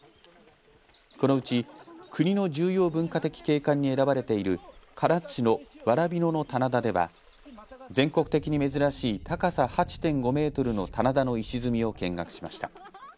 このうち国の重要文化的景観に選ばれている唐津市の蕨野の棚田では全国的に珍しい、高さ８．５メートルの棚田の石積みを見学しました。